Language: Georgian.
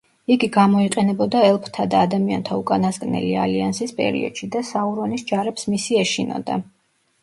იგი გამოიყენებოდა ელფთა და ადამიანთა უკანასკნელი ალიანსის პერიოდში და საურონის ჯარებს მისი ეშინოდა.